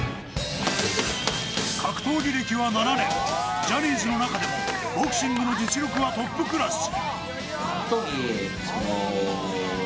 格闘技歴は７年、ジャニーズの中でもボクシングの実力はトップクラス。